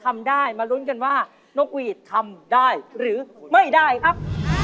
ทำได้มาลุ้นกันว่านกหวีดทำได้หรือไม่ได้ครับ